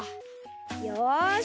よし。